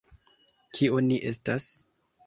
Kio ni estas?